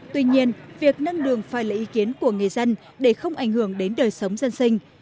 tuy nhiên việc nâng đường phải là ý kiến của người dân để không ảnh hưởng đến đời sống dân sinh